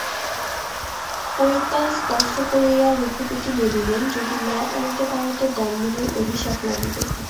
পইতা স্পর্শ করিয়া রঘুপতি বলিলেন, যদি না আনিতে পার তো ব্রাহ্মণের অভিশাপ লাগিবে।